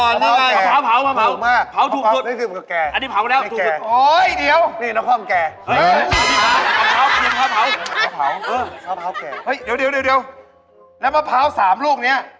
นเนี่ยมะพร้าวสามลูกนี้